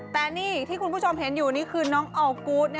แต่นี่ที่คุณผู้ชมเห็นอยู่นี่คือน้องอัลกูธ